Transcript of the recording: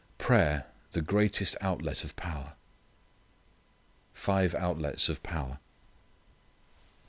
Prayer the Greatest Outlet of Power Five Outlets of Power.